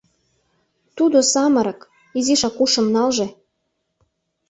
Тудо — самырык, изишак ушым налже...